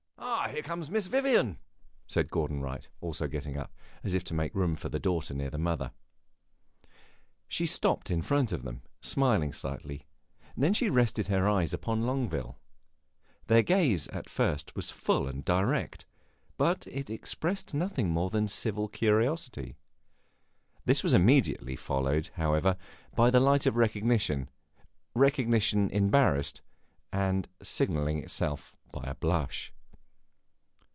"Here comes Miss Vivian!" said Gordon Wright, also getting up, as if to make room for the daughter near the mother. She stopped in front of them, smiling slightly, and then she rested her eyes upon Longueville. Their gaze at first was full and direct, but it expressed nothing more than civil curiosity. This was immediately followed, however, by the light of recognition recognition embarrassed, and signalling itself by a blush.